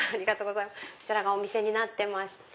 こちらがお店になってまして。